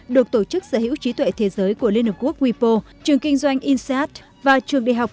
được tổ chức sở hữu trí tuệ thế giới của liên hợp quốc wipo trường kinh doanh insead và trường đại học